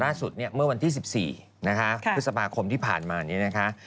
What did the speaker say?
ล่าสุดเนี่ยเมื่อวันที่๑๔นะคะพฤษภาคมที่ผ่านมานี้นะคะ